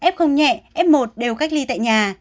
f nhẹ f một đều đi bệnh viện